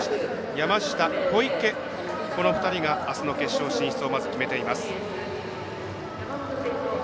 山下、小池、この２人があすの決勝進出をまず決めています。